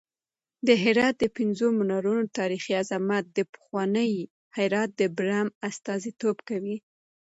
د هرات د پنځو منارونو تاریخي عظمت د پخواني هرات د برم استازیتوب کوي.